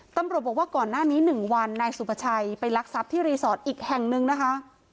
ตำรวจบอกว่าก่อนหน้านี้๑วันนายสุภาชัยไปรักทรัพย์ที่รีสอร์ทอีกแห่งนึงนะคะ